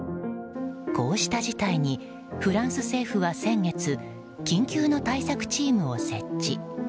こうした事態にフランス政府は先月緊急の対策チームを設置。